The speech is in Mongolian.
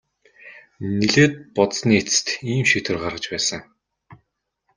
Нэлээд бодсоны эцэст ийм шийдвэр гаргаж байсан.